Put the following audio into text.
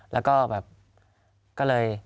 แล้วก็แบบก็เลย